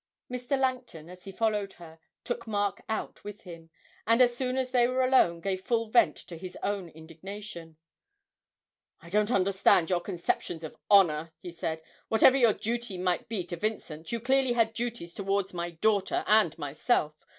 Mr. Langton, as he followed her, took Mark out with him, and as soon as they were alone gave full vent to his own indignation. 'I don't understand your conceptions of honour,' he said. 'Whatever your duty might be to Vincent, you clearly had duties towards my daughter and myself.